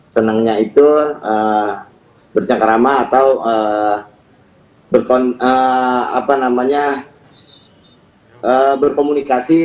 senangnya itu bercakar ramah atau berkomunikasi